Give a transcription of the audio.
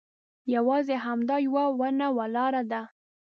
یوازې همدا یوه ونه ولاړه ده.